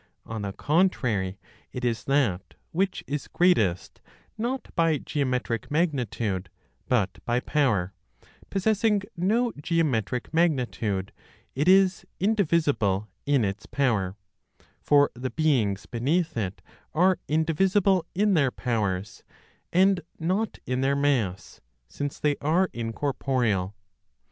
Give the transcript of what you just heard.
On the contrary, it is that which is greatest, not by (geometric) magnitude, but by power; possessing no (geometric) magnitude, it is indivisible in its power; for the beings beneath it are indivisible in their powers, and not in their mass (since they are incorporeal).